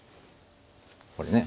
これね。